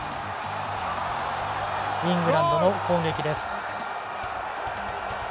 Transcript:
イングランドの攻撃です。